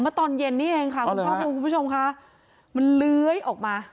เมื่อตอนเย็นนี่เองค่ะคุณพ่อคุณผู้ชมค่ะมันเลื้อยออกมา